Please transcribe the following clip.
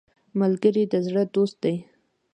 ملګری د زړه دوست دی